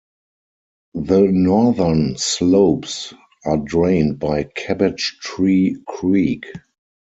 The northern slopes are drained by Cabbage Tree Creek.